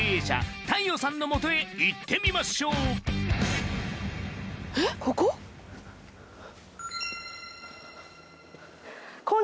太陽さんの元へ行ってみましょう太陽さん）